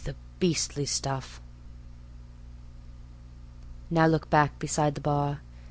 the beastly stuff. Now look back beside the bar.